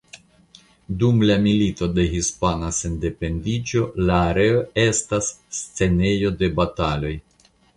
Dum la Milito de Hispana Sendependiĝo la areo estas scenejo de bataloj.